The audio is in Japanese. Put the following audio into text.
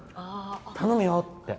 頼むよって。